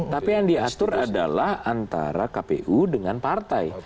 tapi yang diatur adalah antara kpu dengan partai